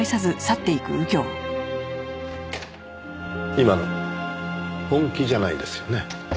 今の本気じゃないですよね？